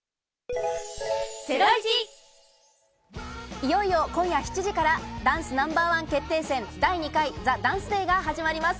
いよいよ今夜７時からダンスナンバーワン決定戦、第２回『ＴＨＥＤＡＮＣＥＤＡＹ』が始まります。